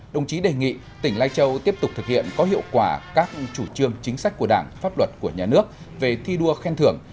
đồng chí đề nghị tỉnh lai châu tiếp tục thực hiện có hiệu quả các chủ trương chính sách của đảng pháp luật của nhà nước về thi đua khen thưởng